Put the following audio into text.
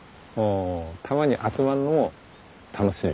たまに集まるのも楽しみ。